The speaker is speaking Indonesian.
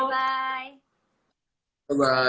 sehat sehat terus kalian ya